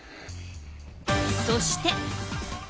そして。